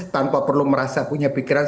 tanpa perlu merasa punya pikiran